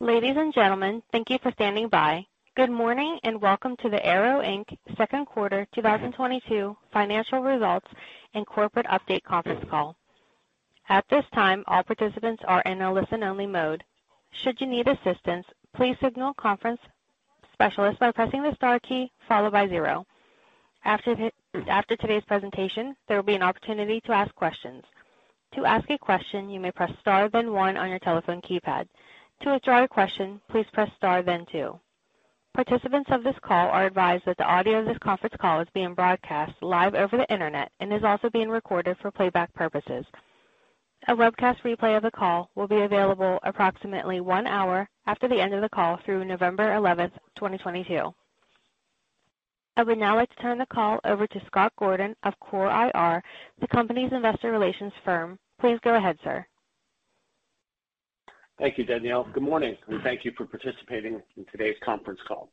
Ladies and gentlemen, thank you for standing by. Good morning, and welcome to the AYRO, Inc. second quarter 2022 financial results and corporate update conference call. At this time, all participants are in a listen-only mode. Should you need assistance, please signal a conference specialist by pressing the star key followed by zero. After today's presentation, there will be an opportunity to ask questions. To ask a question, you may press star then one on your telephone keypad. To withdraw your question, please press star then two. Participants of this call are advised that the audio of this conference call is being broadcast live over the Internet and is also being recorded for playback purposes. A webcast replay of the call will be available approximately one hour after the end of the call through November 11th, 2022. I would now like to turn the call over to Scott Gordon of CORE IR, the company's investor relations firm. Please go ahead, sir. Thank you, Danielle. Good morning, and thank you for participating in today's conference call.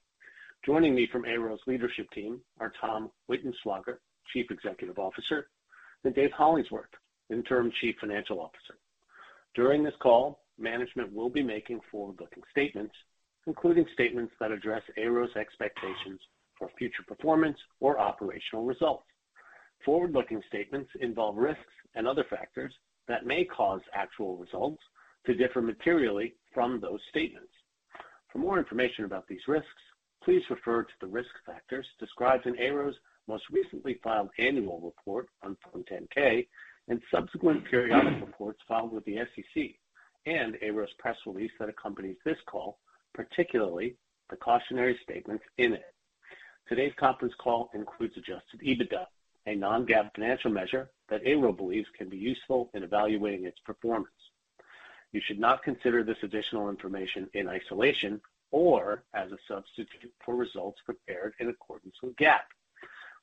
Joining me from AYRO's leadership team are Tom Wittenschlaeger, Chief Executive Officer, and Dave Hollingsworth, Interim Chief Financial Officer. During this call, management will be making forward-looking statements, including statements that address AYRO's expectations for future performance or operational results. Forward-looking statements involve risks and other factors that may cause actual results to differ materially from those statements. For more information about these risks, please refer to the risk factors described in AYRO's most recently filed annual report on Form 10-K and subsequent periodic reports filed with the SEC and AYRO's press release that accompanies this call, particularly the cautionary statements in it. Today's conference call includes adjusted EBITDA, a Non-GAAP financial measure that AYRO believes can be useful in evaluating its performance. You should not consider this additional information in isolation or as a substitute for results prepared in accordance with GAAP.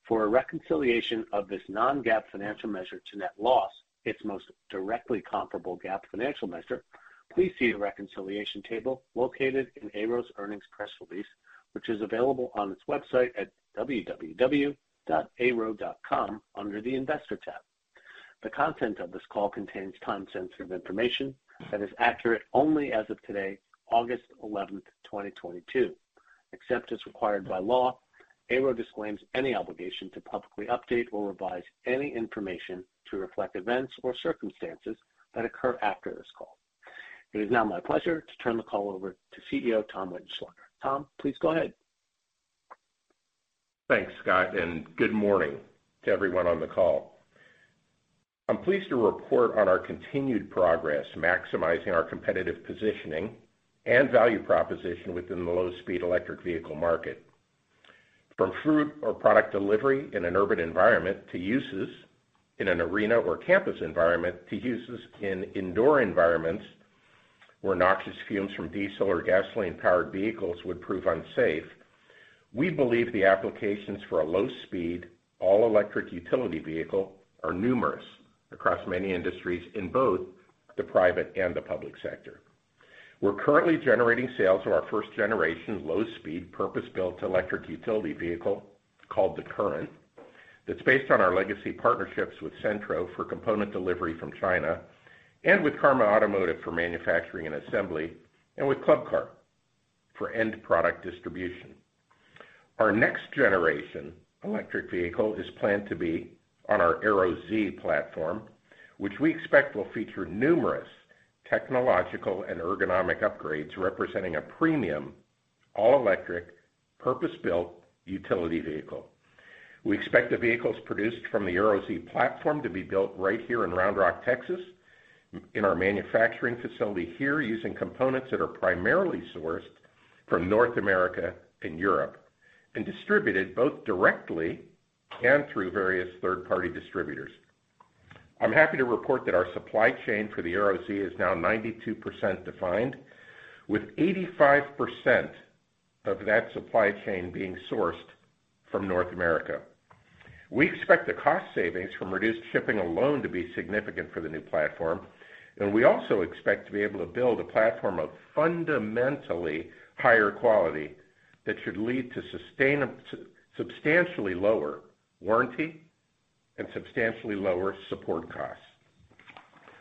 For a reconciliation of this Non-GAAP financial measure to net loss, its most directly comparable GAAP financial measure, please see the reconciliation table located in AYRO's earnings press release, which is available on its website at www.ayro.com under the Investor tab. The content of this call contains time-sensitive information that is accurate only as of today, August 11th, 2022. Except as required by law, AYRO disclaims any obligation to publicly update or revise any information to reflect events or circumstances that occur after this call. It is now my pleasure to turn the call over to Chief Executive Officer Tom Wittenschlaeger. Tom, please go ahead. Thanks, Scott, and good morning to everyone on the call. I'm pleased to report on our continued progress, maximizing our competitive positioning and value proposition within the low-speed electric vehicle market. From freight or product delivery in an urban environment, to uses in an arena or campus environment, to uses in indoor environments where noxious fumes from diesel or gasoline-powered vehicles would prove unsafe, we believe the applications for a low-speed, all-electric utility vehicle are numerous across many industries in both the private and the public sector. We're currently generating sales of our first-generation low-speed, purpose-built electric utility vehicle called The Current that's based on our legacy partnerships with Cenntro for component delivery from China and with Karma Automotive for manufacturing and assembly, and with Club Car for end product distribution. Our next generation electric vehicle is planned to be on our AYRO Z platform, which we expect will feature numerous technological and ergonomic upgrades representing a premium all-electric purpose-built utility vehicle. We expect the vehicles produced from the AYRO Z platform to be built right here in Round Rock, Texas in our manufacturing facility here using components that are primarily sourced from North America and Europe and distributed both directly and through various third-party distributors. I'm happy to report that our supply chain for the AYRO Z is now 92% defined, with 85% of that supply chain being sourced from North America. We expect the cost savings from reduced shipping alone to be significant for the new platform, and we also expect to be able to build a platform of fundamentally higher quality that should lead to substantially lower warranty and substantially lower support costs.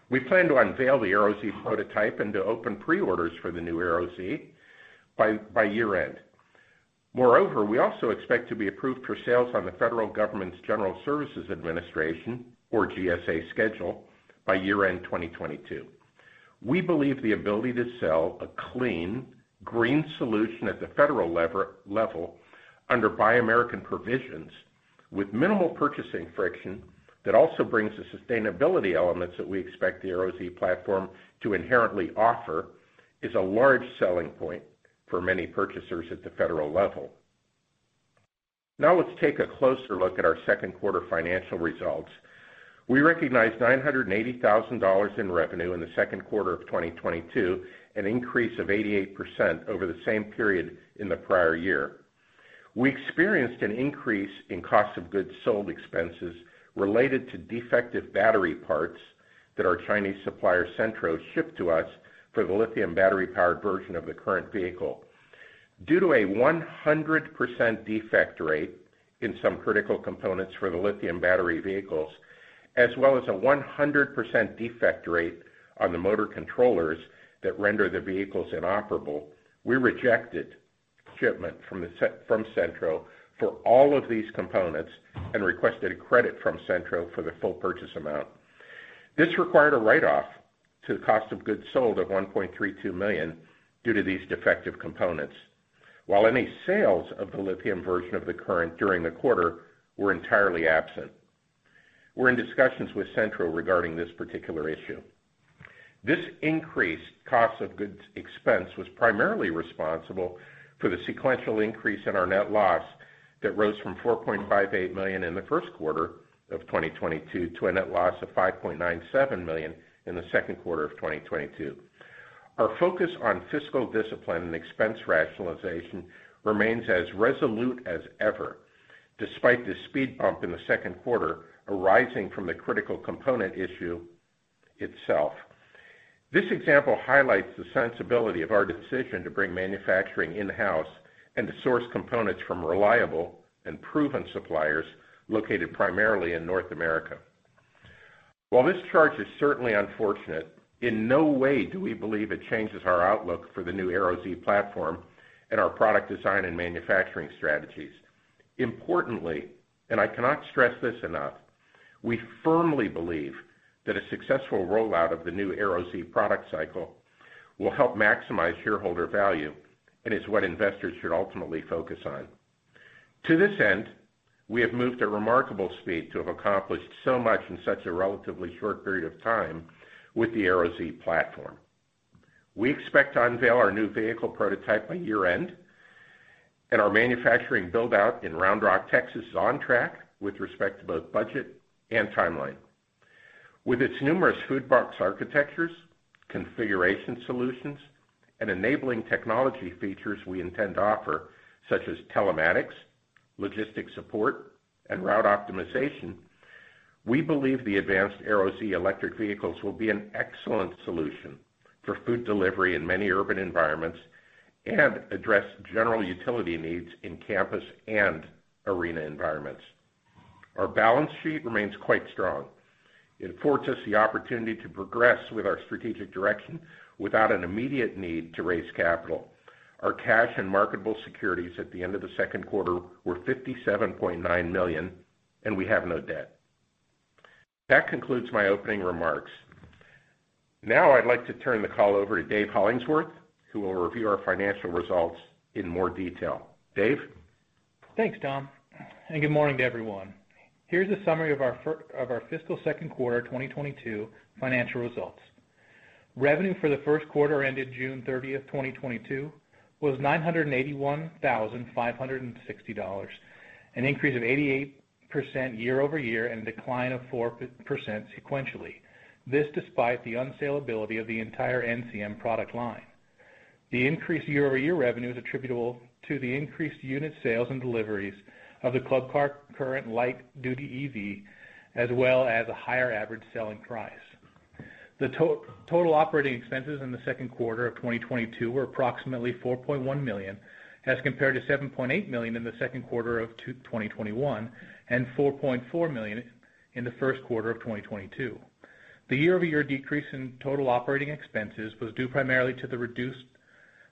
We plan to unveil the AYRO Z prototype and to open pre-orders for the new AYRO Z by year-end. Moreover, we also expect to be approved for sales on the federal government's General Services Administration or GSA schedule by year-end 2022. We believe the ability to sell a clean, green solution at the federal level under Buy American provisions with minimal purchasing friction that also brings the sustainability elements that we expect the AYRO Z platform to inherently offer is a large selling point for many purchasers at the federal level. Now let's take a closer look at our second quarter financial results. We recognized $980,000 in revenue in the second quarter of 2022, an increase of 88% over the same period in the prior year. We experienced an increase in cost of goods sold expenses related to defective battery parts that our Chinese supplier, Cenntro, shipped to us for the lithium battery-powered version of the current vehicle. Due to a 100% defect rate in some critical components for the lithium battery vehicles, as well as a 100% defect rate on the motor controllers that render the vehicles inoperable, we rejected shipment from Cenntro for all of these components and requested a credit from Cenntro for the full purchase amount. This required a write-off to the cost of goods sold of $1.32 million due to these defective components. While any sales of the lithium version of the current during the quarter were entirely absent. We're in discussions with Cenntro regarding this particular issue. This increased cost of goods expense was primarily responsible for the sequential increase in our net loss that rose from $4.58 million in the first quarter of 2022 to a net loss of $5.97 million in the second quarter of 2022. Our focus on fiscal discipline and expense rationalization remains as resolute as ever, despite the speed bump in the second quarter arising from the critical component issue itself. This example highlights the sensibility of our decision to bring manufacturing in-house and to source components from reliable and proven suppliers located primarily in North America. While this charge is certainly unfortunate, in no way do we believe it changes our outlook for the new AYRO Z platform and our product design and manufacturing strategies. Importantly, I cannot stress this enough. We firmly believe that a successful rollout of the new AYRO Z product cycle will help maximize shareholder value and is what investors should ultimately focus on. To this end, we have moved at remarkable speed to have accomplished so much in such a relatively short period of time with the AYRO Z platform. We expect to unveil our new vehicle prototype by year-end, and our manufacturing build-out in Round Rock, Texas, is on track with respect to both budget and timeline. With its numerous food box architectures, configuration solutions, and enabling technology features we intend to offer, such as telematics, logistics support, and route optimization, we believe the advanced AYRO Z electric vehicles will be an excellent solution for food delivery in many urban environments and address general utility needs in campus and arena environments. Our balance sheet remains quite strong. It affords us the opportunity to progress with our strategic direction without an immediate need to raise capital. Our cash and marketable securities at the end of the second quarter were $57.9 million and we have no debt. That concludes my opening remarks. Now I'd like to turn the call over to Dave Hollingsworth, who will review our financial results in more detail. Dave? Thanks, Tom, and good morning to everyone. Here's a summary of our fiscal second quarter, 2022 financial results. Revenue for the first quarter ended June 30th, 2022 was $981,560, an increase of 88% year-over-year and a decline of 4% sequentially. This despite the unsaleability of the entire NCM product line. The increase year-over-year revenue is attributable to the increased unit sales and deliveries of the Club Car Current light-duty EV, as well as a higher average selling price. The total operating expenses in the second quarter of 2022 were approximately $4.1 million, as compared to $7.8 million in the second quarter of 2021 and $4.4 million in the first quarter of 2022. The year-over-year decrease in total operating expenses was due primarily to the reduced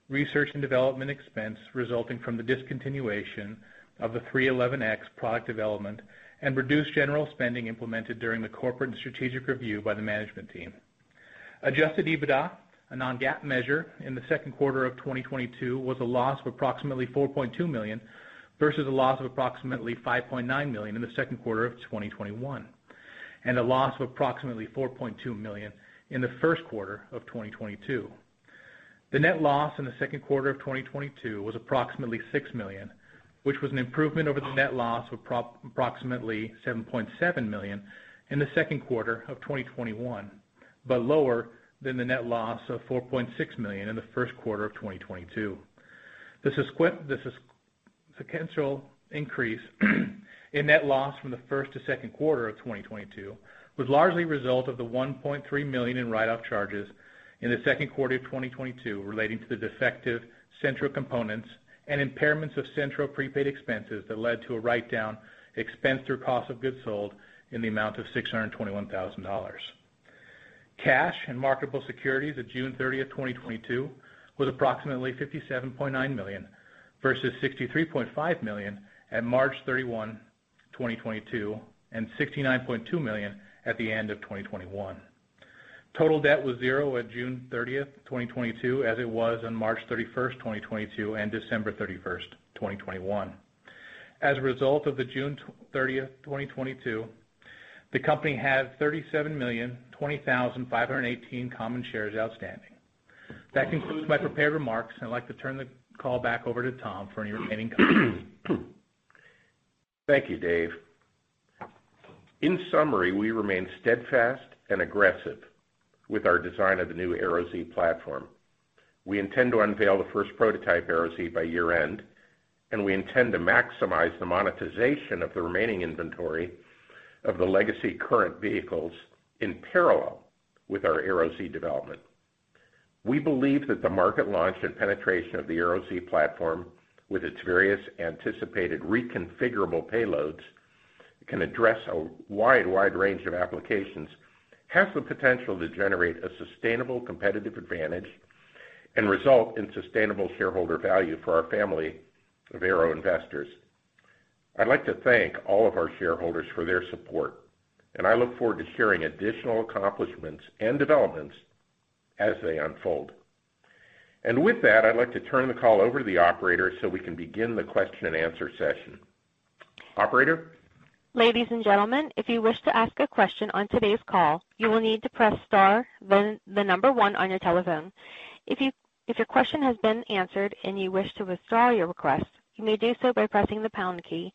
research and development expense resulting from the discontinuation of the 311x product development and reduced general spending implemented during the corporate and strategic review by the management team. Adjusted EBITDA, a Non-GAAP measure in the second quarter of 2022, was a loss of approximately $4.2 million versus a loss of approximately $5.9 million in the second quarter of 2021, and a loss of approximately $4.2 million in the first quarter of 2022. The net loss in the second quarter of 2022 was approximately $6 million, which was an improvement over the net loss of approximately $7.7 million in the second quarter of 2021, but lower than the net loss of $4.6 million in the first quarter of 2022. The sequential increase in net loss from the first to second quarter of 2022 was largely a result of the $1.3 million in write-off charges in the second quarter of 2022 relating to the defective Cenntro components and impairments of Cenntro prepaid expenses that led to a write-down expense through cost of goods sold in the amount of $621,000. Cash and marketable securities at June 30th, 2022 was approximately $57.9 million versus $63.5 million at March 31st, 2022 and $69.2 million at the end of 2021. Total debt was $0 at June 30th, 2022, as it was on March 31st, 2022 and December 31st, 2021. As a result of the June 30th, 2022, the company had 37,020,518 common shares outstanding. That concludes my prepared remarks, and I'd like to turn the call back over to Tom for any remaining comments. Thank you, Dave. In summary, we remain steadfast and aggressive with our design of the new AYRO Z platform. We intend to unveil the first prototype AYRO Z by year-end. We intend to maximize the monetization of the remaining inventory of the legacy Current vehicles in parallel with our AYRO Z development. We believe that the market launch and penetration of the AYRO Z platform, with its various anticipated reconfigurable payloads, can address a wide range of applications, has the potential to generate a sustainable competitive advantage and result in sustainable shareholder value for our family of AYRO investors. I'd like to thank all of our shareholders for their support, and I look forward to sharing additional accomplishments and developments as they unfold. With that, I'd like to turn the call over to the operator so we can begin the question-and-answer session. Operator? Ladies and gentlemen, if you wish to ask a question on today's call, you will need to press star then the number one on your telephone. If your question has been answered and you wish to withdraw your request, you may do so by pressing the pound key.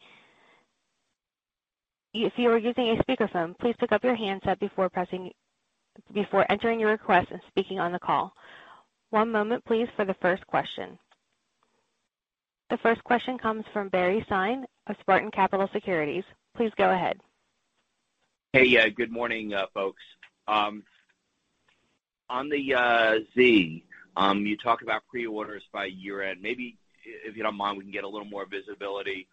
If you are using a speakerphone, please pick up your handset before entering your request and speaking on the call. One moment please for the first question. The first question comes from Barry Sine of Spartan Capital Securities. Please go ahead. Hey, good morning, folks. On the Z, you talk about pre-orders by year-end. Maybe, if you don't mind, we can get a little more visibility.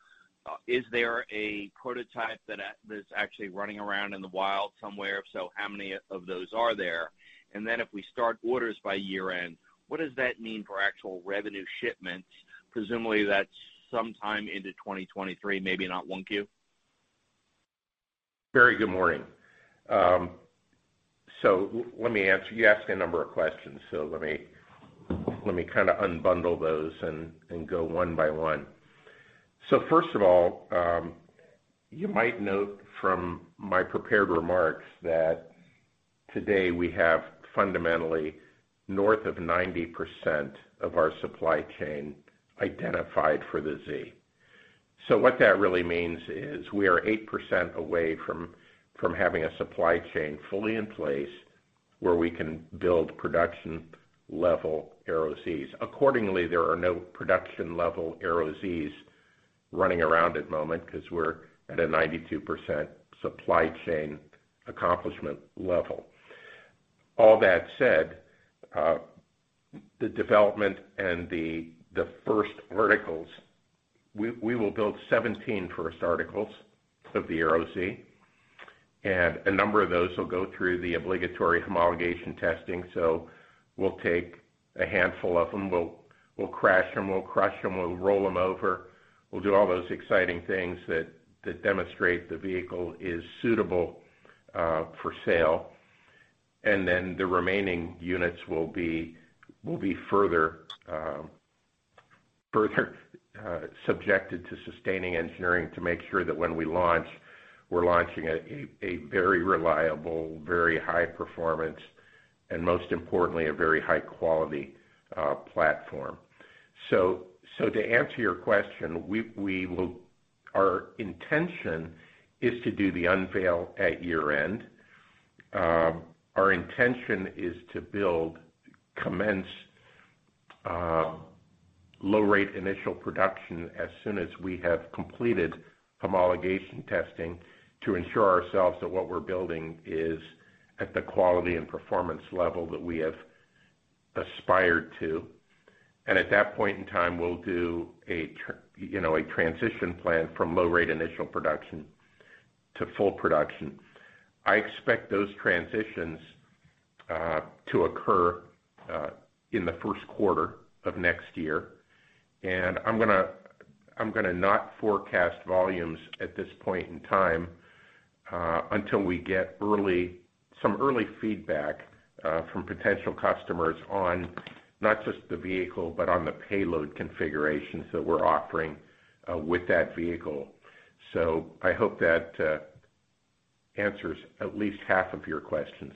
Is there a prototype that's actually running around in the wild somewhere? If so, how many of those are there? If we start orders by year-end, what does that mean for actual revenue shipments? Presumably, that's sometime into 2023, maybe not 1Q. Barry, good morning. Let me answer. You asked a number of questions, let me kinda unbundle those and go one by one. First of all, you might note from my prepared remarks that today we have fundamentally north of 90% of our supply chain identified for the Z. What that really means is we are 8% away from having a supply chain fully in place where we can build production-level AYRO-Zs. Accordingly, there are no production-level AYRO-Zs running around at the moment because we're at a 92% supply chain accomplishment level. All that said, the development and the first articles, we will build 17 first articles of the AYRO-Z, and a number of those will go through the obligatory homologation testing. We'll take a handful of them, we'll crash them, we'll crush them, we'll roll them over. We'll do all those exciting things that demonstrate the vehicle is suitable for sale. Then the remaining units will be further subjected to sustaining engineering to make sure that when we launch, we're launching a very reliable, very high performance, and most importantly, a very high quality platform. To answer your question, our intention is to do the unveil at year-end. Our intention is to commence low-rate initial production as soon as we have completed homologation testing to ensure ourselves that what we're building is at the quality and performance level that we have aspired to. At that point in time, we'll do a transition plan from low-rate initial production to full production. I expect those transitions to occur in the first quarter of next year. I'm gonna not forecast volumes at this point in time until we get some early feedback from potential customers on not just the vehicle, but on the payload configurations that we're offering with that vehicle. I hope that answers at least half of your questions.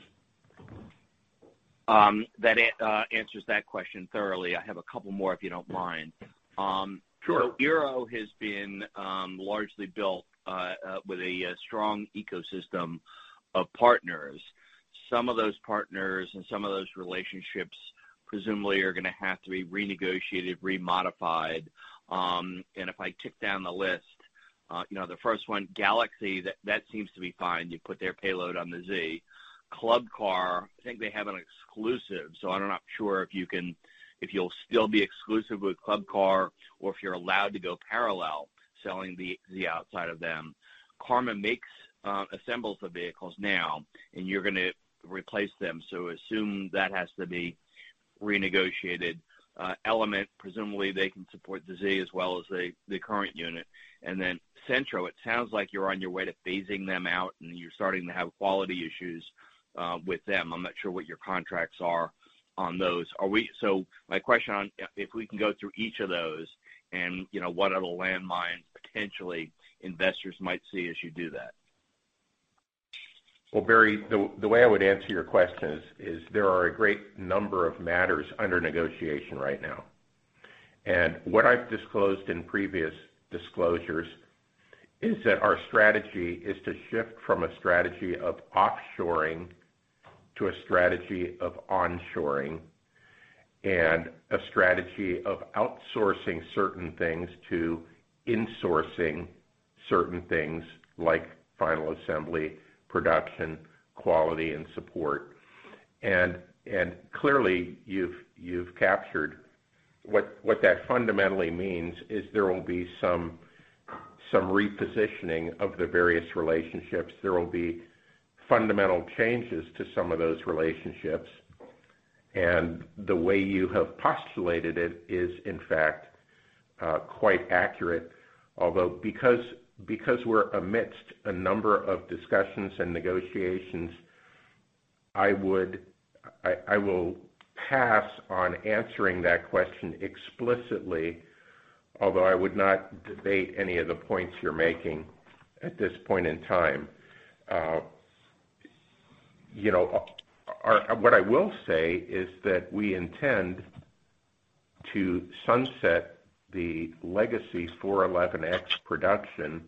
That answers that question thoroughly. I have a couple more, if you don't mind. Sure. AYRO has been largely built with a strong ecosystem of partners. Some of those partners and some of those relationships presumably are gonna have to be renegotiated, remodified. If I tick down the list, you know, the first one, Galaxy, that seems to be fine. You put their payload on the Z. Club Car, I think they have an exclusive, so I'm not sure if you'll still be exclusive with Club Car or if you're allowed to go parallel, selling the Z outside of them. Karma assembles the vehicles now, and you're gonna replace them, so assume that has to be renegotiated. Element, presumably they can support the Z as well as the current unit. Cenntro, it sounds like you're on your way to phasing them out, and you're starting to have quality issues with them. I'm not sure what your contracts are on those. If we can go through each of those and, you know, what other landmines, potentially, investors might see as you do that. Well, Barry, the way I would answer your question is there are a great number of matters under negotiation right now. What I've disclosed in previous disclosures is that our strategy is to shift from a strategy of offshoring to a strategy of onshoring and a strategy of outsourcing certain things to insourcing certain things like final assembly, production, quality and support. Clearly you've captured what that fundamentally means is there will be some repositioning of the various relationships. There will be fundamental changes to some of those relationships. The way you have postulated it is in fact quite accurate. Although, because we're amidst a number of discussions and negotiations, I will pass on answering that question explicitly, although I would not debate any of the points you're making at this point in time. You know, what I will say is that we intend to sunset the Legacy 411X production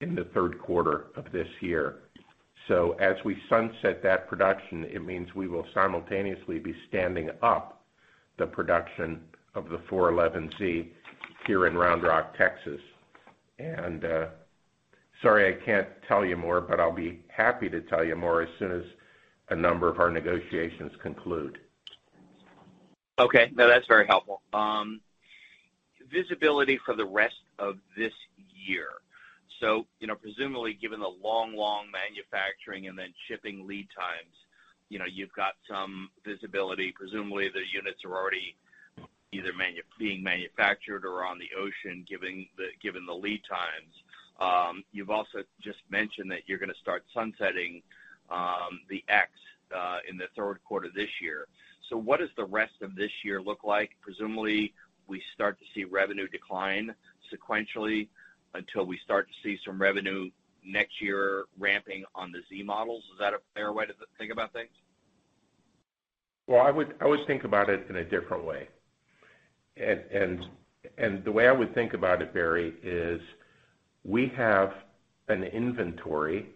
in the third quarter of this year. As we sunset that production, it means we will simultaneously be standing up the production of the 411Z here in Round Rock, Texas. Sorry, I can't tell you more, but I'll be happy to tell you more as soon as a number of our negotiations conclude. Okay. No, that's very helpful. Visibility for the rest of this year. You know, presumably given the long manufacturing and then shipping lead times, you know, you've got some visibility. Presumably, the units are already either being manufactured or on the ocean, given the lead times. You've also just mentioned that you're gonna start sunsetting the X in the third quarter this year. What does the rest of this year look like? Presumably, we start to see revenue decline sequentially until we start to see some revenue next year ramping on the Z models. Is that a fair way to think about things? Well, I would, I always think about it in a different way. The way I would think about it, Barry, is we have an inventory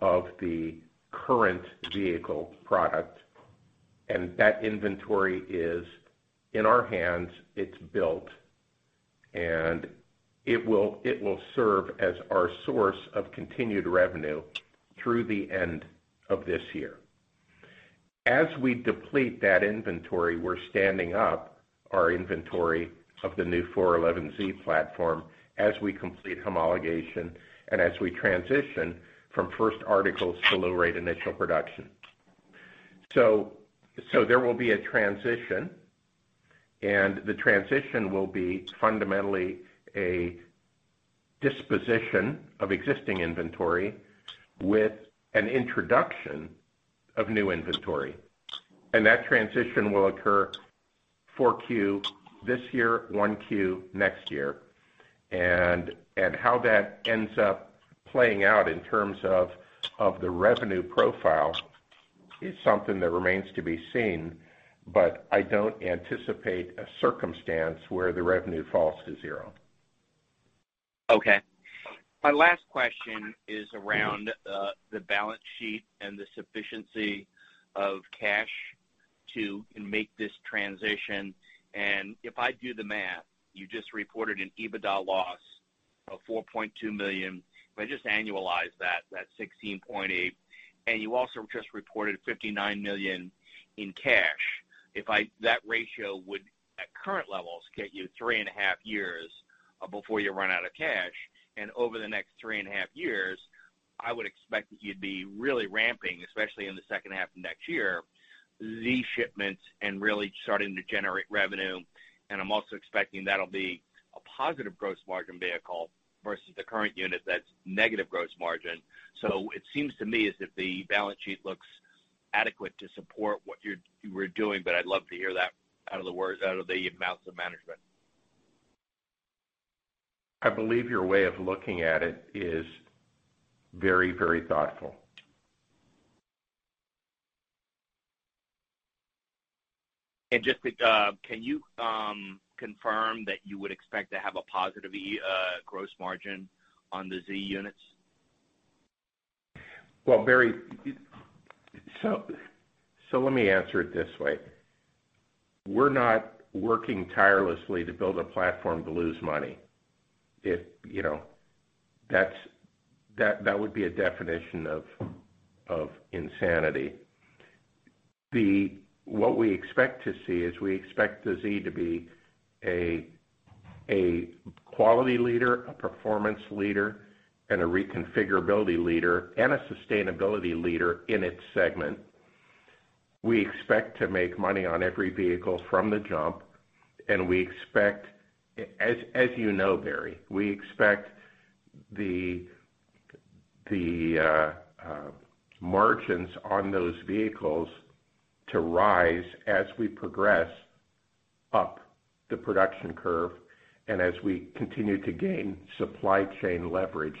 of the current vehicle product, and that inventory is in our hands, it's built, and it will serve as our source of continued revenue through the end of this year. As we deplete that inventory, we're standing up our inventory of the new 411Z platform as we complete homologation and as we transition from first articles to low-rate initial production. There will be a transition, and the transition will be fundamentally a disposition of existing inventory with an introduction of new inventory. That transition will occur 4Q this year, 1Q next year. how that ends up playing out in terms of the revenue profile is something that remains to be seen, but I don't anticipate a circumstance where the revenue falls to zero. Okay. My last question is around the balance sheet and the sufficiency of cash to make this transition. If I do the math, you just reported an EBITDA loss of $4.2 million. If I just annualize that's $16.8 million. You also just reported $59 million in cash. That ratio would, at current levels, get you 3.5 years before you run out of cash. Over the next 3.5 years, I would expect that you'd be really ramping, especially in the second half of next year, Z shipments and really starting to generate revenue. I'm also expecting that'll be a positive gross margin vehicle versus the current unit that's negative gross margin. It seems to me as if the balance sheet looks adequate to support what you were doing, but I'd love to hear that out of the mouths of management. I believe your way of looking at it is very, very thoughtful. Just to confirm that you would expect to have a positive gross margin on the Z units? Well, Barry, let me answer it this way. We're not working tirelessly to build a platform to lose money. If you know, that would be a definition of insanity. What we expect to see is we expect the Z to be a quality leader, a performance leader, and a reconfigurability leader, and a sustainability leader in its segment. We expect to make money on every vehicle from the jump, and we expect, as you know, Barry, we expect the margins on those vehicles to rise as we progress up the production curve and as we continue to gain supply chain leverage.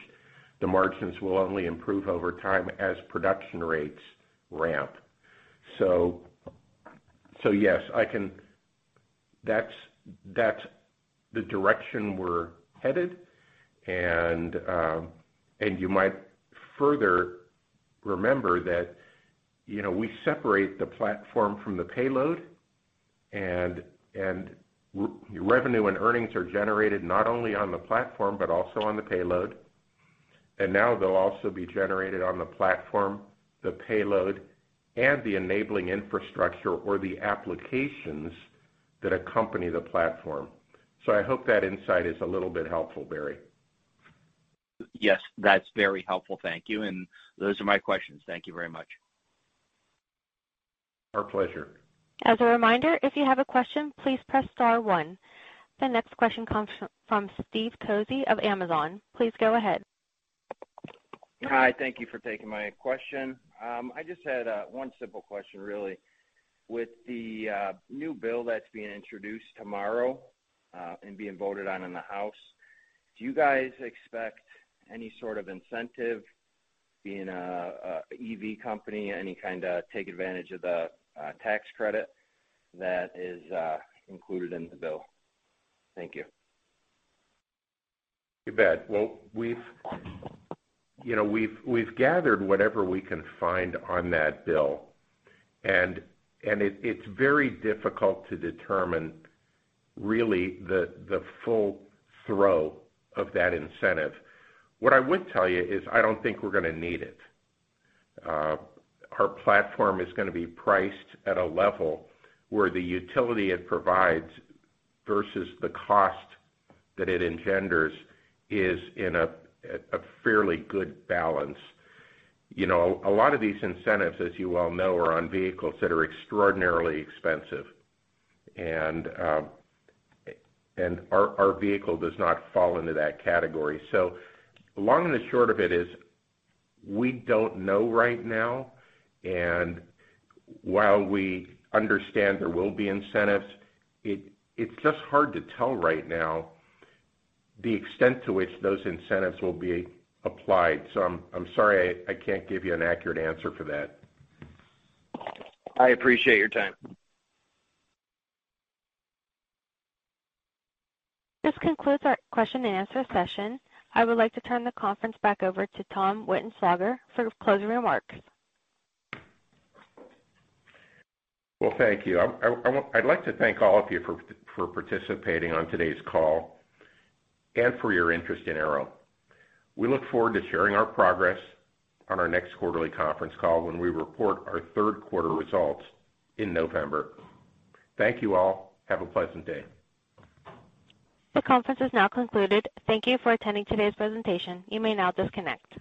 The margins will only improve over time as production rates ramp. Yes, I can. That's the direction we're headed. You might further remember that, you know, we separate the platform from the payload. Revenue and earnings are generated not only on the platform but also on the payload. Now they'll also be generated on the platform, the payload, and the enabling infrastructure or the applications that accompany the platform. I hope that insight is a little bit helpful, Barry. Yes, that's very helpful. Thank you. Those are my questions. Thank you very much. Our pleasure. As a reminder, if you have a question, please press star one. The next question comes from Steve Cozzie of Amazon. Please go ahead. Hi. Thank you for taking my question. I just had one simple question really. With the new bill that's being introduced tomorrow, and being voted on in the House, do you guys expect any sort of incentive being a EV company, any kind of take advantage of the tax credit that is included in the bill? Thank you. You bet. Well, you know, we've gathered whatever we can find on that bill. It's very difficult to determine really the full throw of that incentive. What I would tell you is I don't think we're gonna need it. Our platform is gonna be priced at a level where the utility it provides versus the cost that it engenders is in a fairly good balance. You know, a lot of these incentives, as you well know, are on vehicles that are extraordinarily expensive. Our vehicle does not fall into that category. Long and the short of it is we don't know right now. While we understand there will be incentives, it's just hard to tell right now the extent to which those incentives will be applied. I'm sorry I can't give you an accurate answer for that. I appreciate your time. This concludes our question and answer session. I would like to turn the conference back over to Tom Wittenschlaeger for closing remarks. Well, thank you. I'd like to thank all of you for participating on today's call and for your interest in AYRO. We look forward to sharing our progress on our next quarterly conference call when we report our third quarter results in November. Thank you all. Have a pleasant day. The conference is now concluded. Thank you for attending today's presentation. You may now disconnect.